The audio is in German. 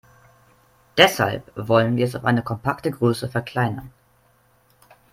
Deshalb wollen wir es auf eine kompakte Größe verkleinern.